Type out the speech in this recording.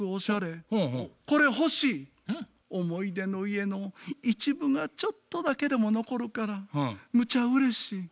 これ欲しい」「思い出の家の一部がちょっとだけでも残るからむちゃうれしい。